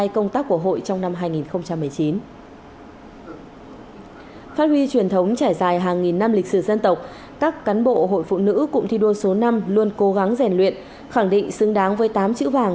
cụm thi đua số năm luôn cố gắng rèn luyện khẳng định xứng đáng với tám chữ vàng